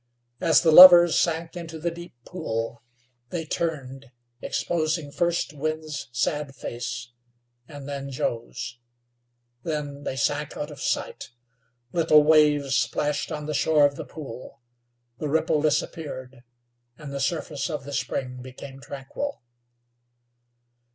As the lovers sank into the deep pool they turned, exposing first Winds' sad face, and then Joe's. Then they sank out of sight. Little waves splashed on the shore of the pool; the ripple disappeared, and the surface of the spring became tranquil.